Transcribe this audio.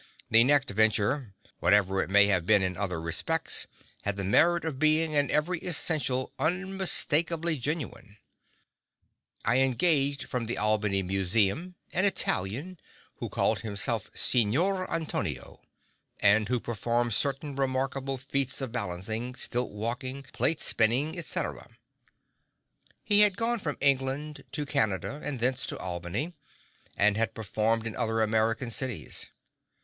The next venture, whatever it may have been in other respects, had the merit of being, in every essential, unmistakably genuine. I engaged from the Albany Museum an Italian who called himself "Signor Antonio" and who performed certain remarkable feats of balancing, stilt walking, plate spinning, etc. He had gone from England to Canada, and thence to Albany, and had performed in other American cities.